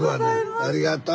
ありがとう。